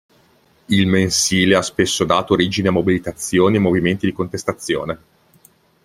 Il mensile ha spesso dato origine a mobilitazioni e movimenti di contestazione.